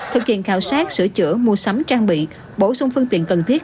thực hiện khảo sát sửa chữa mua sắm trang bị bổ sung phương tiện cần thiết